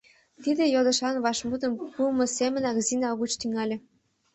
Тиде йодышлан вашмутым пуымо семынак Зина угыч тӱҥале: